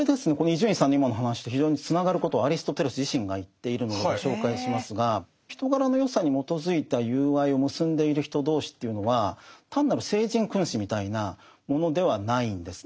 伊集院さんの今の話と非常につながることをアリストテレス自身が言っているのでご紹介しますが人柄の善さに基づいた友愛を結んでいる人同士というのは単なる聖人君子みたいなものではないんです。